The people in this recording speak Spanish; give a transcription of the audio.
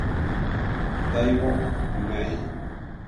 Daigo Imai